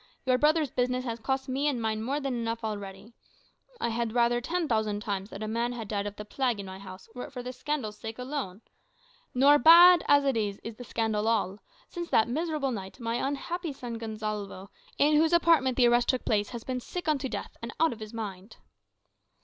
Your brother's business has cost me and mine more than enough already. I had rather ten thousand times that a man had died of the plague in my house, were it for the scandal's sake alone! Nor, bad as it is, is the scandal all. Since that miserable night, my unhappy son Gonsalvo, in whose apartment the arrest took place, has been sick unto death, and out of his mind."